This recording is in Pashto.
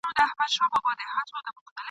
ما اورېدلي چي علم د بریا کیلي ده.